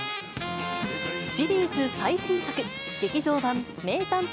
シリーズ最新作、劇場版名探偵